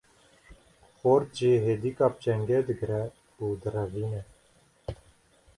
Xort jî hêdika bi çengê digre û direvîne.